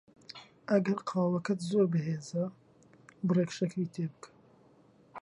ئەگەر قاوەکەت زۆر بەهێزە، بڕێک شەکری تێ بکە.